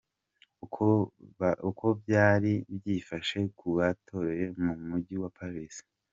Uko bayri byifashe ku batoreye mu Mujyi wa Paris.